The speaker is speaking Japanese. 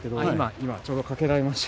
今、ちょうどかけられました。